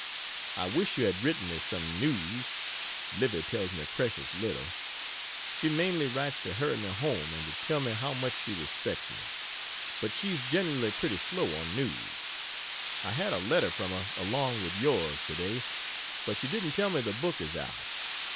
I wish you had written me some news Livy tells me precious little. She mainly writes to hurry me home and to tell me how much she respects me: but she's generally pretty slow on news. I had a letter from her along with yours, today, but she didn't tell me the book is out.